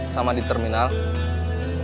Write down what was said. sama di terminalnya